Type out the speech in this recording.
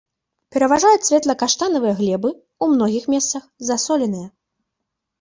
Пераважаюць светла-каштанавыя глебы, у многіх месцах засоленыя.